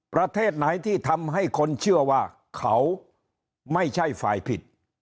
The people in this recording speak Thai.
ประเทศไหนที่ทำให้คนเชื่อว่าเขาไม่ใช่ฝ่ายผิด